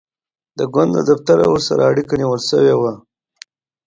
د ګوند له دفتره ورسره اړیکه نیول شوې وي.